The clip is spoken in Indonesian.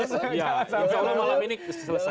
insya allah malam ini selesai